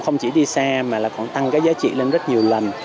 không chỉ đi xa mà còn tăng giá trị lên rất nhiều lần